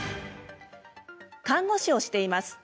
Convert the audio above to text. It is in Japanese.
看護師をしています。